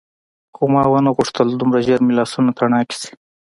خو ما ونه غوښتل دومره ژر مې لاسونه تڼاکي شي.